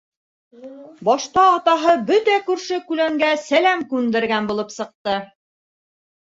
Башта атаһы бөтә күрше-күләнгә сәләм күндергән булып сыҡты.